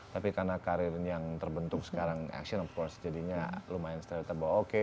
tapi karena karir yang terbentuk sekarang action of course jadinya lumayan stratable oke